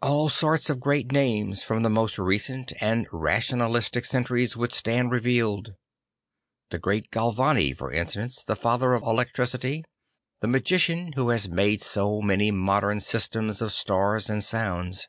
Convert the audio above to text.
All sorts of great names from the most recent and rational istic centuries would stand revealed; the great r:r he r:r hree Orders 13 1 Galvani, for instance, the father of all electricity, the magician who has made so many modern systems of stars and sounds.